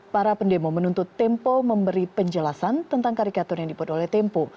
para pendemo menuntut tempo memberi penjelasan tentang karikatur yang dibuat oleh tempo